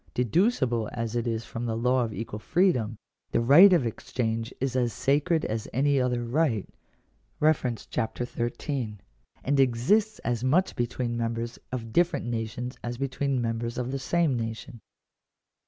Deducible as it is from the law of equal freedom, the right of exchange is 'as sacred as any other right (Chap. XIII.), and exists as much between members of different nations as between members of the same nation.